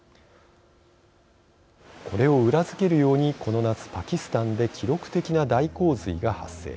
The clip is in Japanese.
これを裏付けるようにこの夏、パキスタンで記録的な大洪水が発生。